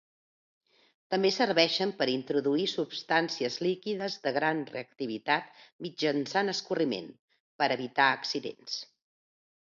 També serveixen per introduir substàncies líquides de gran reactivitat mitjançant escorriment, per evitar accidents.